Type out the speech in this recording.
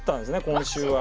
今週は。